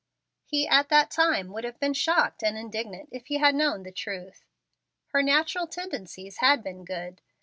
He at that time would have been shocked and indignant if he had known the truth. Her natural tendencies had been good.